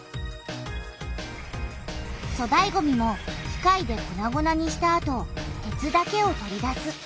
そだいごみも機械でこなごなにしたあと鉄だけを取り出す。